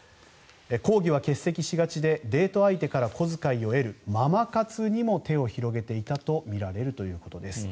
講義は欠席しがちでデート相手から小遣いを得るママ活にも手を広げていたとみられるということです。